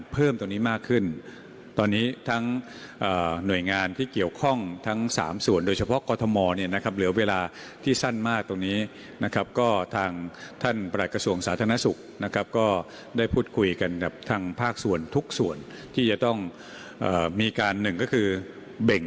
เพราะฉะนั้นต้องมีการเพิ่มตรงนี้มากขึ้น